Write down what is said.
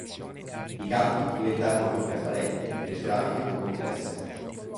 I campi diventarono più permanenti e le ceramiche più complesse.